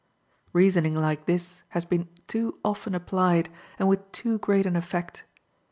Reasoning like this has been too often applied, and with too great an effect.